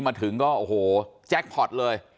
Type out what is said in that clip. มาถึงก็โอ้โหแจ็คพอร์ตเลย